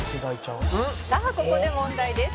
「さあここで問題です」